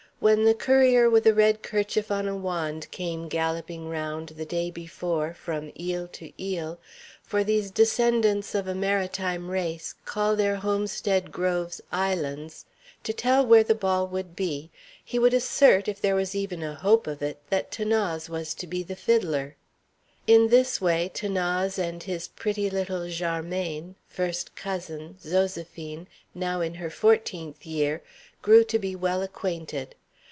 When the courier with a red kerchief on a wand came galloping round, the day before, from île to île, for these descendants of a maritime race call their homestead groves islands, to tell where the ball was to be, he would assert, if there was even a hope of it, that 'Thanase was to be the fiddler. In this way 'Thanase and his pretty little jarmaine first cousin Zoséphine, now in her fourteenth year, grew to be well acquainted.